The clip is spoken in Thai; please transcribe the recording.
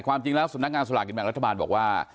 ความจริงแล้วสำนักงานสถานกิจแบบรัฐบาลบอกว่า